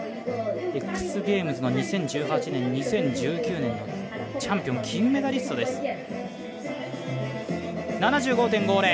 Ｘゲームズの２０１８年、２０１９年の金メダリストです。